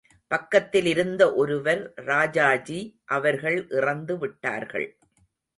பக்கத்தில் இருந்த ஒருவர் ராஜாஜி அவர்கள் இறந்துவிட்டர்கள்.